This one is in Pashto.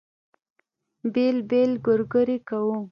بېل بېل ګورګورې کوو.